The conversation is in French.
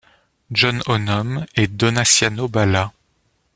John Onom et Donasyano Bala.